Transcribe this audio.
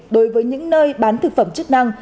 đối với những nơi bán thực phẩm chức năng